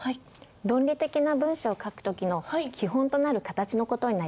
論理的な文章を書く時の基本となるカタチの事になります。